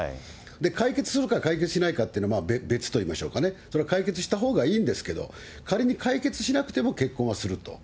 解決するか解決しないかっていうのは別といいましょうかね、それは解決したほうがいいんですけれども、仮に解決しなくても、結婚はすると。